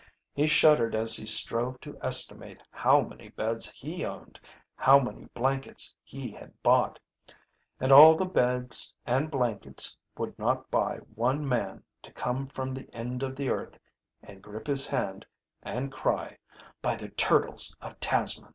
He shuddered as he strove to estimate how many beds he owned, how many blankets he had bought. And all the beds and blankets would not buy one man to come from the end of the earth, and grip his hand, and cry, "By the turtles of Tasman!"